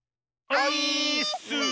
オイーッス！